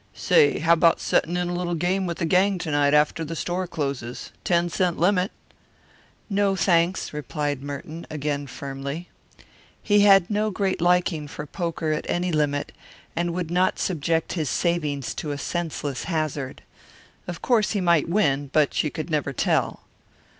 "Say, how about settin' in a little game with the gang to night after the store closes ten cent limit?" "No, thanks," replied Merton, again firmly. He had no great liking for poker at any limit, and he would not subject his savings to a senseless hazard. Of course he might win, but you never could tell.